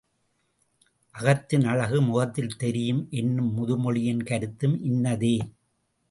அகத்தின் அழகு முகத்தில் தெரியும் என்னும் முதுமொழியின் கருத்தும் இன்னதே.